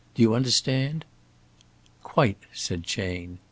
Do you understand?" "Quite," said Chayne.